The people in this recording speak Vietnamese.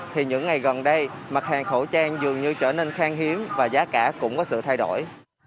thì những ngày gần đây mặt hàng khẩu trang dường như trở nên khang hiếm và giá cả cũng có sự thay đổi